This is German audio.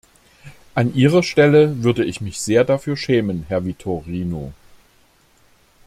An Ihrer Stelle würde ich mich sehr dafür schämen, Herr Vitorino.